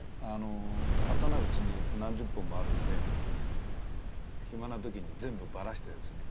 刀うちに何十本もあるんで暇な時に全部ばらしてですね